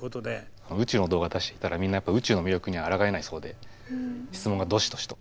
宇宙の動画を出していたらみんなやっぱ宇宙の魅力にはあらがえないそうで質問がどしどしと。